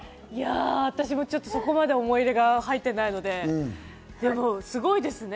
私もそこまで思い入れが入っていないので、でもすごいですね。